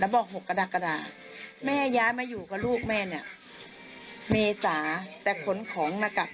สุดท้ายแล้วเนี่ยนะคะ